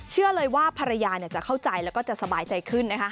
เชื่อเลยว่าภรรยาจะเข้าใจแล้วก็จะสบายใจขึ้น